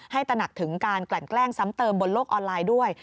ตระหนักถึงการกลั่นแกล้งซ้ำเติมบนโลกออนไลน์ด้วย